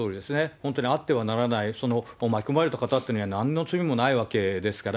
本当にあってはならない、巻き込まれた方というのはなんの罪もないわけですから。